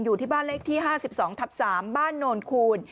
ที่บ้านเลขที่๕๒ทับ๓บ้านโนนคูณ